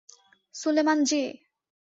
Sulaiman জি!